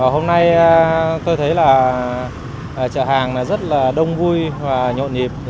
hôm nay tôi thấy chợ hàng rất đông vui và nhộn nhịp